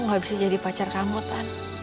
aku gak bisa jadi pacar kamu tan